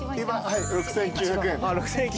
はい６，９００円。